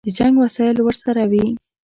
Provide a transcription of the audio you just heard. د جنګ وسایل ورسره وي.